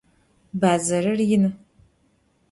Badzerır yinı.